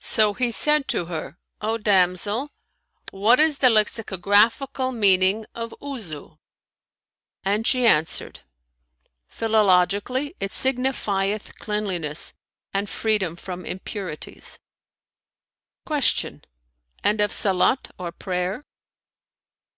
So he said to her, "O damsel, what is the lexicographical meaning of Wuzu?" And she answered, "Philologically it signifieth cleanliness and freedom from impurities." Q "And of Salαt or prayer?"